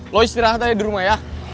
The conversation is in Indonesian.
lo istirahat aja di rumah ya